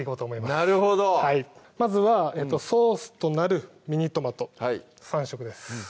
なるほどまずはソースとなるミニトマトはい３色です